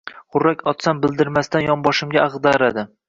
Xurrak otsam, bildirmasdan yonboshimga ag'daradi